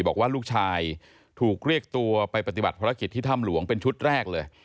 บอกว่าลูกชายถูกเรียกตัวไปปฏิบัติภารกิจที่ถ้ำหลวงเป็นชุดแรกเลย